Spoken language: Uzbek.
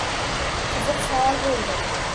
Qiziq savol boʻldi.